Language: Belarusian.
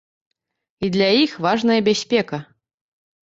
І для іх важная бяспека.